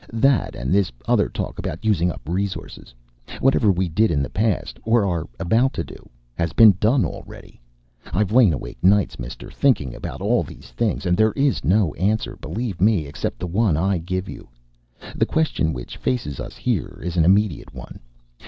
"That and this other talk about using up resources. Whatever we did in the past or are about to do has been done already. I've lain awake nights, mister, thinking about all these things and there is no answer, believe me, except the one I give you. The question which faces us here is an immediate one.